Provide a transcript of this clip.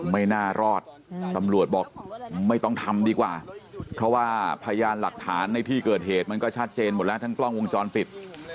ไม่น่ารอดตำรวจบอกไม่ต้องทำดีกว่าเพราะว่าพยานหลักฐานในที่เกิดเหตุมันก็ชัดเจนหมดแล้วทั้งกล้องวงจรปิด